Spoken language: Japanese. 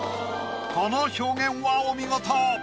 この表現はお見事。